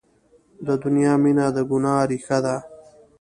د دنیا مینه د ګناه ریښه ده.